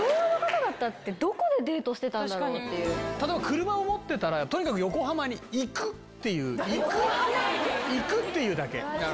昭和の方々って、どこでデー例えば、車を持ってたら、とにかく横浜に行くっていう、行く、行くっていうだけ。